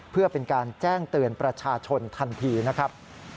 เพื่อเป็นการแจ้งเตือนประชาชนทันทีนะครับ